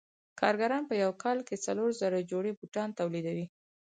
کارګران په یو کال کې څلور زره جوړې بوټان تولیدوي